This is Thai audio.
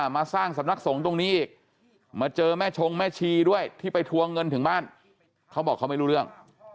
มาสร้างสำนักสงฆ์ตรงนี้อีกมาเจอแม่ชงแม่ชีด้วยที่ไปทวงเงินถึงบ้านเขาบอกเขาไม่รู้เรื่อง